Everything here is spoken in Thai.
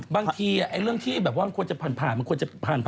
บางทีเรื่องควรจะผ่าน